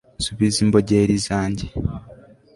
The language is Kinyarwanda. nsubiza imbogeri zanjye